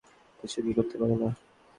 আমরা কি কিছু করতে পারি না?